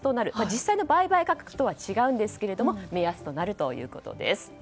実際の売買価格とは違うんですが目安となるということです。